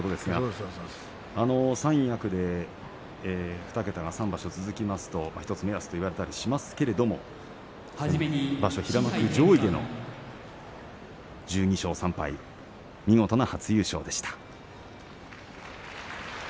三役で２桁が３場所続きますと１つ目安と言われたりしていますけれど平幕上位での１２勝３敗見事な初優勝でした。